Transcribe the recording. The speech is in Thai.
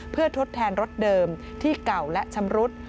เพื่อทดแทนรถเดิมที่เก่าและชำรุด